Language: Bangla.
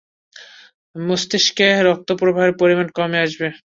মস্তিষ্কে রক্ত প্রবাহের পরিমাণ কমে আসবে।